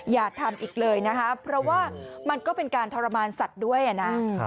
อย่าทำอีกเลยนะคะเพราะว่ามันก็เป็นการทรมานสัตว์ด้วยนะ